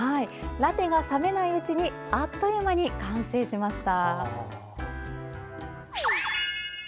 ラテが冷めないうちにあっという間に完成しました。